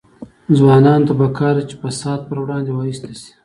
ځوانانو ته پکار ده چې، فساد پر وړاندې وایسته شي.